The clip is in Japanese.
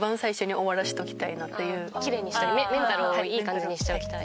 きれいにしたいメンタルをいい感じにしておきたい。